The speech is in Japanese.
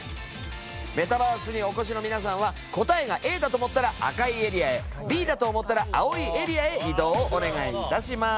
メタバースにお越しの皆さんは答えがＡだと思ったら赤いエリアへＢだと思ったら青いエリアへ移動をお願い致します。